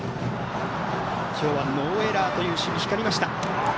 今日はノーエラーの守備が光りました。